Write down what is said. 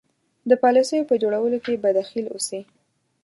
د پالیسیو په جوړولو کې به دخیل اوسي.